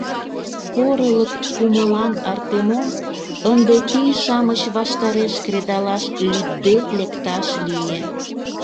Порылык кумылан Артемон ынде пий-шамыч ваштареш кредалаш лӱдде лекташ лие.